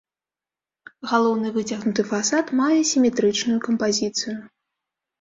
Галоўны выцягнуты фасад мае сіметрычную кампазіцыю.